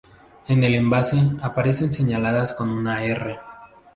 En el envase, aparecen señaladas con una "R".